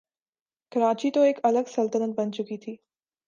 کراچی تو ایک الگ سلطنت بن چکی تھی۔